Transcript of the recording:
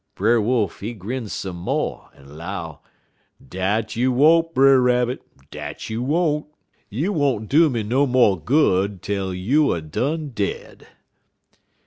"Brer Wolf, he grin some mo' en 'low: "'Dat you won't, Brer Rabbit, dat you won't! You won't do me no mo' good turn tel you er done dead.'